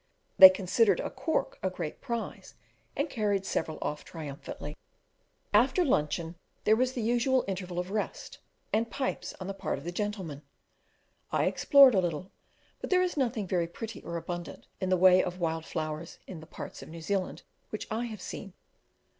They considered a cork a great prize, and carried several off triumphantly. After luncheon there was the usual interval of rest, and pipes on the part of the gentlemen. I explored a little, but there is nothing very pretty or abundant in the way of wild flowers in the parts of New Zealand which I have seen.